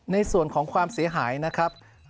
ในส่วนของความเสียหายนะครับ